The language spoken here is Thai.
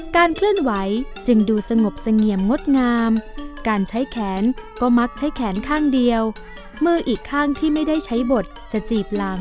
เคลื่อนไหวจึงดูสงบเสงี่ยมงดงามการใช้แขนก็มักใช้แขนข้างเดียวมืออีกข้างที่ไม่ได้ใช้บทจะจีบหลัง